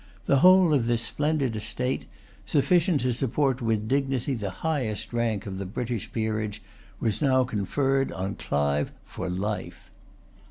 The whole of this splendid estate, sufficient to support with dignity the highest rank of the British peerage, was now conferred on Clive for life.